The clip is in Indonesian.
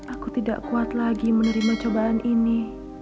aku tidak kuat lagi menerima cobaan ini